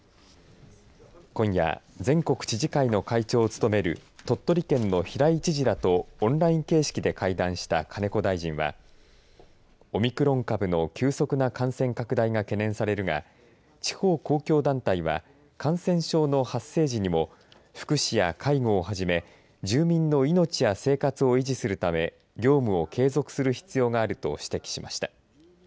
今夜、全国知事会の会長を務める鳥取県の平井知事らとオンライン形式で会談した金子大臣はオミクロン株の急速な感染拡大が懸念されるが地方公共団体は感染症の発生時にも福祉や介護をはじめ住民の命や生活を維持するため業務を継続する必要があると指摘しました。